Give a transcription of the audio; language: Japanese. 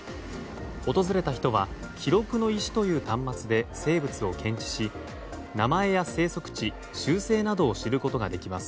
訪れた人は記録の石という端末で生物を検知し名前や生息地習性などを知ることができます。